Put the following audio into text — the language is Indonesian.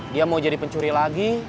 dia mau jadi pencuri lagi